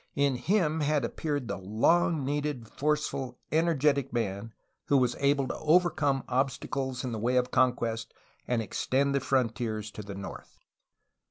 In him had appeared the long needed, forceful, energetic man who was able to overcome obstacles in the way of conquest and extend the frontiers to the north.